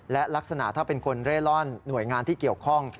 และลักษณะถ้าเป็นคนเร่ร่อนหน่วยงานที่เกี่ยวข้อง